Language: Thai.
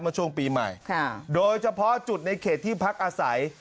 ช่วงปีใหม่โดยเฉพาะจุดในเขตที่พักอาศัย